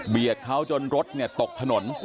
เบียดเขาจนรถเนี่ยตกถนน